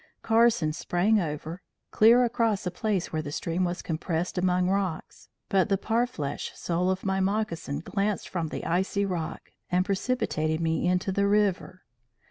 Carson sprang over, clear across a place where the stream was compressed among rocks, but the parfleche sole of my moccasin glanced from the icy rock, and precipitated me into the river.